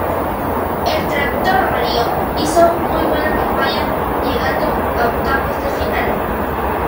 El "tractor amarillo" hizo muy buena campaña llegando a octavos de final.